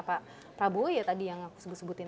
pak prabowo ya tadi yang sebutin